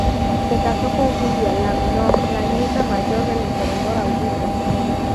Se casó con Julia la Menor, la nieta mayor del emperador Augusto.